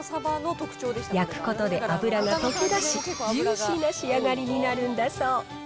焼くことで脂が溶け出し、ジューシーな仕上がりになるんだそう。